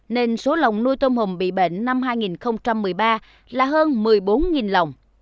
nên số lồng nuôi tôm hùm bị bệnh năm hai nghìn một mươi ba là hơn một mươi bốn lòng